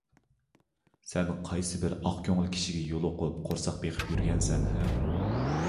سەن قايسىبىر ئاق كۆڭۈل كىشىگە يولۇقۇپ، قورساق بېقىپ يۈرگەنسەن - ھە!